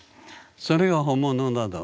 それが本物なの。